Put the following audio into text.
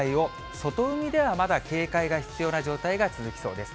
外海ではまだ警戒が必要な状態が続きそうです。